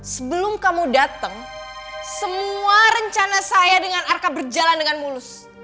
sebelum kamu datang semua rencana saya dengan arka berjalan dengan mulus